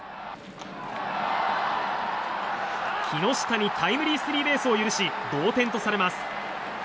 木下にタイムリースリーベースを許し同点とされます。